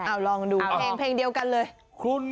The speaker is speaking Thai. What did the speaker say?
เพลงเพลงเดียวกันเลย